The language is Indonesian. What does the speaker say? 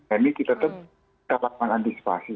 ini kita tetap mengantisipasi